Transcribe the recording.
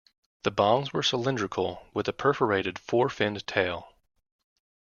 The bombs were cylindrical with a perforated four-finned tail.